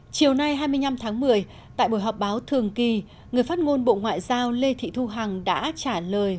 chiều nay hai mươi năm tháng một mươi tại buổi họp báo thường kỳ người phát ngôn bộ ngoại giao lê thị thu hằng đã trả lời